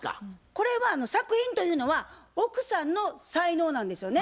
これは作品というのは奥さんの才能なんですよね。